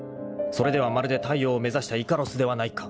［それではまるで太陽を目指したイカロスではないか］